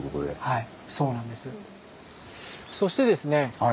はい。